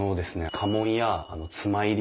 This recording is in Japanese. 家紋や妻入り